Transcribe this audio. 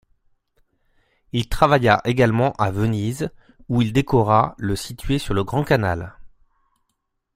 Il travailla également à Venise, où il décora le situé sur le Grand Canal.